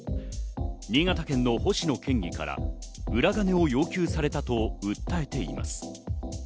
新潟県の星野県議から裏金を要求されたと訴えています。